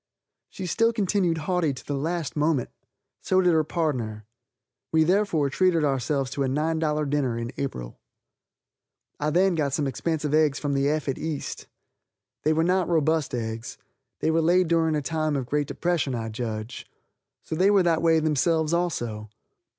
She still continued haughty to the last moment. So did her pardner. We therefore treated ourselves to a $9 dinner in April. I then got some expensive eggs from the effete east. They were not robust eggs. They were layed during a time of great depression, I judge. So they were that way themselves also.